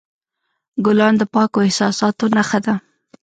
ګلان د پاکو احساساتو نښه ده.